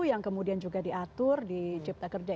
yang kemudian juga diatur di cipta kerja